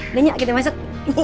udahnya kita masuk